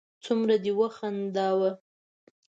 څومره دې و خنداوه